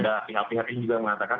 ada pihak pihak yang juga mengatakan